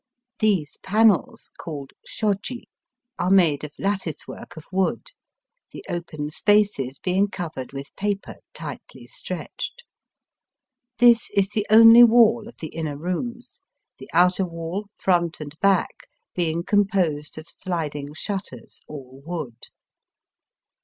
These panels (called shoji) are made of latticework of wood, the open spaces being covered with paper tightly stretched. This is the only wall of the inner rooms, the outer wall, front and back, being composed of sliding shutters aU wood.